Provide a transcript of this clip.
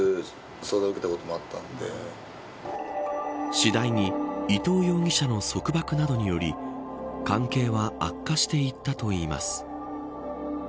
次第に、伊藤容疑者の束縛などにより関係は悪化していったといいます。